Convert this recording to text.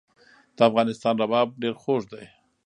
د افغانستان رباب ډیر خوږ دی